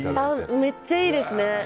めっちゃいいですね。